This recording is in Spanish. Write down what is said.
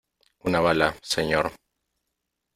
una bala , señor .